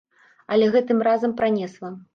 Але гэтым разам пранесла.